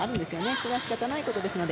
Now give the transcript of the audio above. これは仕方ないことですので。